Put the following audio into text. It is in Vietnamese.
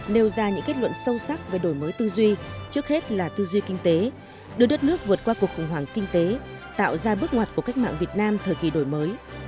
nêu ra những kết luận sâu sắc về đổi mới tư duy trước hết là tư duy kinh tế đưa đất nước vượt qua cuộc khủng hoảng kinh tế tạo ra bước ngoặt của cách mạng việt nam thời kỳ đổi mới